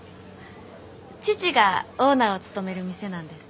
父がオーナーを務める店なんです。